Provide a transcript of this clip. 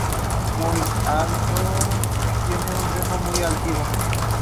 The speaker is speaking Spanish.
Suele ser de colores variados.